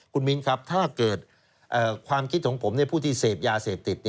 คุณมิ้นครับถ้าเกิดความคิดของผมผู้ที่เสพยาเสพติด